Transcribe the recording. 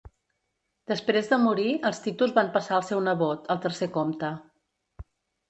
Després de morir, els títols van passar al seu nebot, el tercer comte.